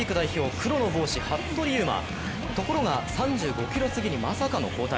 黒の帽子、服部勇馬、ところが３５ｋｍすぎにまさかの後退。